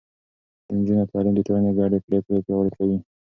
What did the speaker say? د نجونو تعليم د ټولنې ګډې پرېکړې پياوړې کوي.